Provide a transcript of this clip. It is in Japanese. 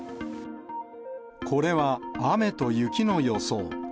これは雨と雪の予想。